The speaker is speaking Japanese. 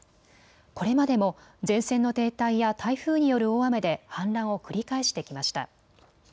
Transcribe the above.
これまでも前線の停滞や台風による大雨で氾濫を繰り返してきました。